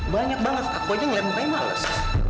banyak banget aku aja ngeliat mereka males